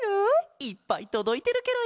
いっぱいとどいてるケロよ！